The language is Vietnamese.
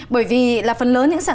thì chúng ta lại đang chứng kiến